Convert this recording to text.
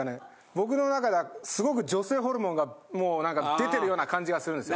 僕の中ではすごく女性ホルモンがもうなんか出てるような感じがするんです。